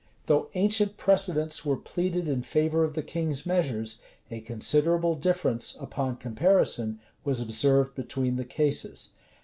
Though ancient precedents were pleaded in favor of the king's measures, a considerable difference, upon comparison, was observed between the cases.